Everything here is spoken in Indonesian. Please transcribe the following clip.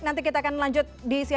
nanti kita akan lanjut di cnn indonesia